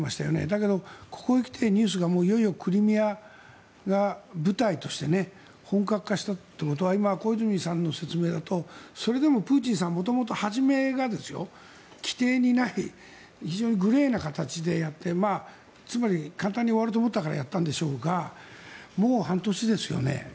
だけど、ここへ来てニュースがいよいよクリミアが舞台として本格化したっていうことは今、小泉さんの説明だとそれでもプーチンさんは元々、始めが規定にない非常にグレーな形でやってつまり、簡単に終わると思ったからやったんでしょうがもう半年ですよね。